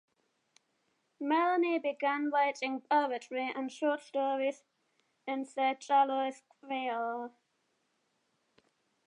Melanie began writing poetry and short stories in Seychellois Creole.